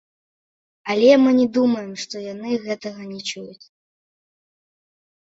Але мы не думаем, што яны гэтага не чуюць.